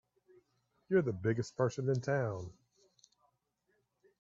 You're the biggest person in town!